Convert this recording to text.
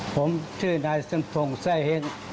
ผมชื่อนายสังธงไส้เห็น